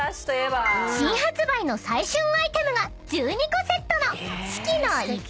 ［新発売の最旬アイテムが１２個セットの］